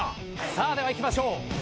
さあではいきましょう。